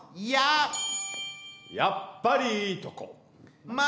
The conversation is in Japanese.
やっぱりいいとこ。